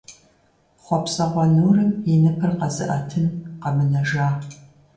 Хъуэпсэгъуэ нурым и ныпыр къэзыӀэтын къэмынэжа…